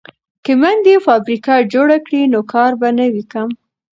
که میندې فابریکه جوړ کړي نو کار به نه وي کم.